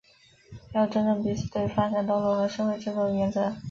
要尊重彼此对发展道路和社会制度的选择